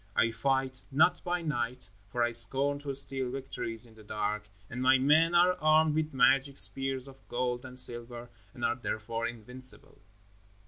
I fight not by night, for I scorn to steal victories in the dark, and my men are armed with magic spears of gold and silver and are therefore invincible."